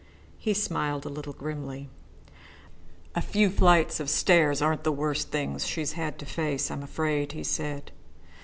He smiled a little grimly. "A few flights of stairs aren't the worst things she has had to face, I'm afraid," he said.